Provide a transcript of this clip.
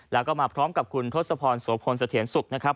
แล้วก็มาพร้อมกับคุณทศพรโสพลเสถียรสุขนะครับ